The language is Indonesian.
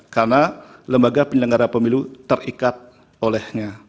karena lembaga penyelenggara pemilu terikat olehnya